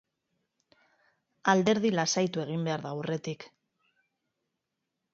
Alderdi lasaitu egin behar da aurretik.